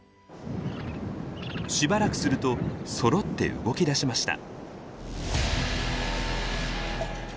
しばらくするとそろって動きだしました。